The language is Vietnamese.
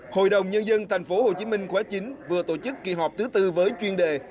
hội đồng nhân dân tp hcm khóa chín vừa tổ chức kỳ họp thứ tư với chuyên đề